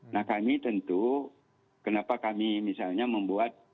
nah kami tentu kenapa kami misalnya membuat